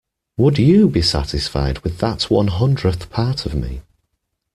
Would you be satisfied with that one hundredth part of me.